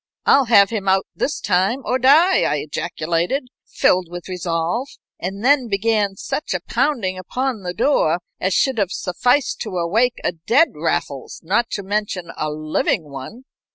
"I'll have him out this time or die!" I ejaculated, filled with resolve, and then began such a pounding upon the door as should have sufficed to awake a dead Raffles, not to mention a living one.